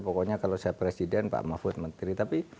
pokoknya kalau saya presiden pak mahfud menteri tapi